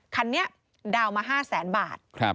คันนี้ดาวน์มา๕๐๐๐๐๐บาท